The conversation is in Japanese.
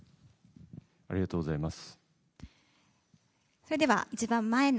ありがとうございます。